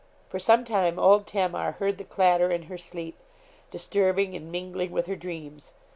For some time old Tamar heard the clatter in her sleep; disturbing and mingling with her dreams.